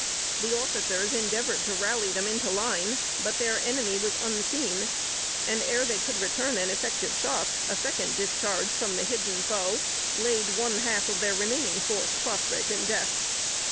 The officers endeavored to rally them into line; but their enemy was unseen, and ere they could return an effective shot, a second discharge from the hidden foe laid one half their remaining force prostrate in death.